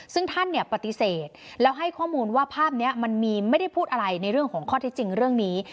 ซึ่งท่านเนี่ยปฏิเสธแล้วให้ข้อมูลว่าภาพนี้มันมีไม่ได้พูดอะไรในเรื่องของข้อที่จริงเรื่องนี้